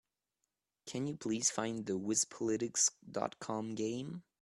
Can you please find me the Wispolitics.com game?